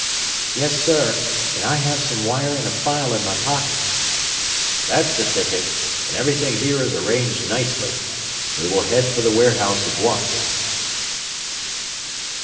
"Yes, sir; and I have some wire and a file in my pocket." "That's the ticket. And everything here is arranged nicely. We will head for the warehouse at once."